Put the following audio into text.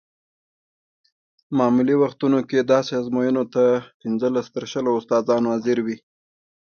معمولي وختونو کې داسې ازموینو ته پنځلس تر شلو استادان حاضر وي.